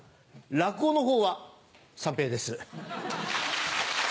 落語のほうは三平です。